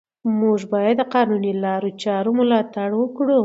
موږ باید د قانوني لارو چارو ملاتړ وکړو